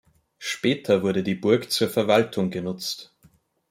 Später wurde die Burg zur Verwaltung genutzt.